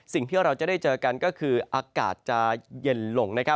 สิ่งที่เราจะได้เจอกันก็คืออากาศจะเย็นลง